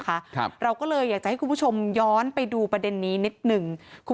ครับเราก็เลยอยากจะให้คุณผู้ชมย้อนไปดูประเด็นนี้นิดหนึ่งคุณ